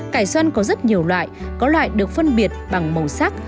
cải xoăn có rất nhiều loại có loại được phân biệt bằng màu sắc